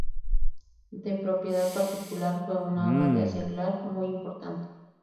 De propiedad particular, fue una abadía seglar muy importante.